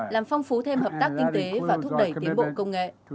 làm phong phú thêm hợp tác kinh tế và thúc đẩy tiến bộ công nghệ